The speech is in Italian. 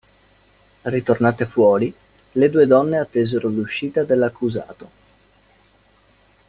Ritornate fuori, le due donne attesero l'uscita dell'accusato.